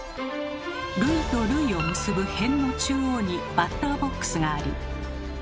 塁と塁を結ぶ辺の中央にバッターボックスがあり。